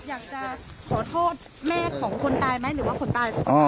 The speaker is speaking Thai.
อยากจะขอโทษแม่ของคนตายไหมหรือว่าคนตาย